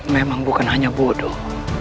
memang bukan hanya bodoh